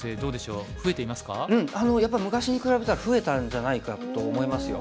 うんやっぱり昔に比べたら増えたんじゃないかと思いますよ。